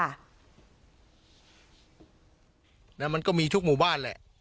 มันก็มีทุกหมู่บ้านแหละ